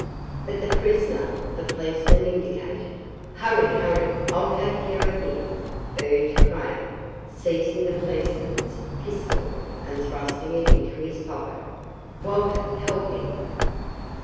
"But the prisoner," the policeman indicated. "Hurry hurry I'll take care of him," urged Craig, seizing the policeman's pistol and thrusting it into his pocket. "Walter help me."